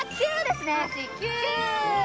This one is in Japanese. ９ですね。